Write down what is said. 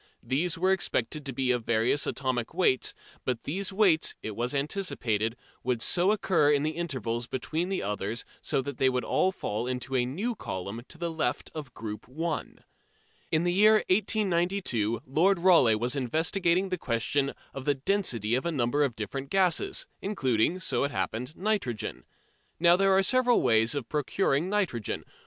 These were expected to be of various atomic weights, but these weights, it was anticipated, would so occur in the intervals between the others that they would all fall into a new column to the left of "Group 1." In the year 1892 Lord Rayleigh was investigating the question of the density of a number of different gases, including, so it happened, nitrogen. Now there are several ways of procuring nitrogen.